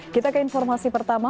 kita ke informasi pertama